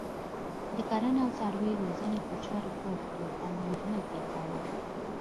د کرنې او څاروي روزنې په چارو بوخت وو او محنت یې کاوه.